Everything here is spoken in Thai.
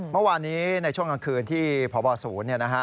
เมื่อวานนี้ในช่วงกลางคืนที่พบศูนย์เนี่ยนะฮะ